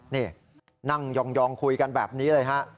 นี่นั่งยองคุยกันแบบนี้เลยฮะ